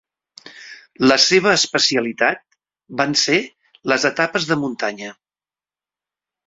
La seva especialitat van ser les etapes de muntanya.